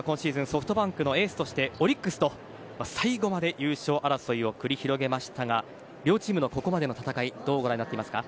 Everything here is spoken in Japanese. ソフトバンクのエースとしてオリックスと最後まで優勝争いを繰り広げましたが両チームのここまでの戦いどうご覧になっていますか？